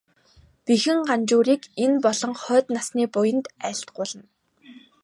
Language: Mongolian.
Бэхэн Ганжуурыг энэ болон хойд насны буянд айлтгуулна.